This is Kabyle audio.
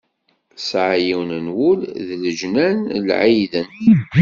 Tesɛa yiwen n wul d leǧnan n ɛiden.